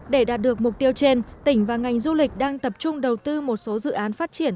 để đạt được mục tiêu trên tỉnh và ngành du lịch đang tập trung đầu tư một số dự án phát triển